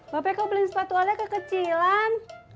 bapak kok beli sepatu alia kekecilan